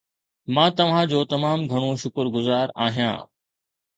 مان توهان جو تمام گهڻو شڪرگذار آهيان